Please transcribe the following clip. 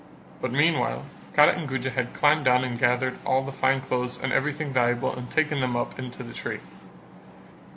But meanwhile Kara and Guja had climbed down and gathered together all the fine clothes and everything valuable and taken them up into the tree.